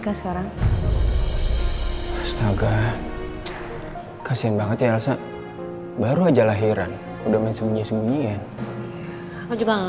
gak sekarang astaga kasihan banget ya elsa baru aja lahiran udah menemunya singin aku juga nggak